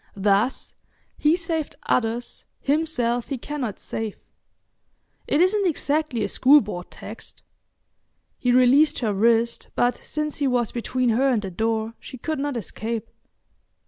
Thus. "He saved others, himself he cannot save." It isn't exactly a school board text." He released her wrist, but since he was between her and the door, she could not escape.